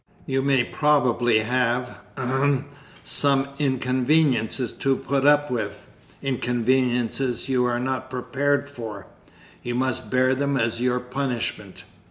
You may probably have ahem, some inconveniences to put up with inconveniences you are not prepared for. You must bear them as your punishment."